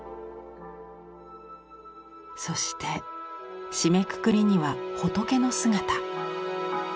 そして締めくくりには仏の姿。